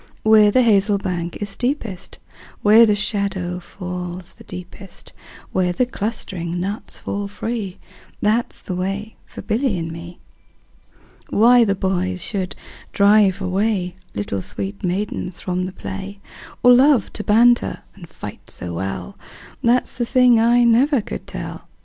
Where the hazel bank is steepest, Where the shadow falls the deepest, Where the clustering nuts fall free, 15 That 's the way for Billy and me. Why the boys should drive away Little sweet maidens from the play, Or love to banter and fight so well, That 's the thing I never could tell.